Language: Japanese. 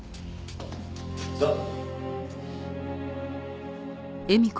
さあ。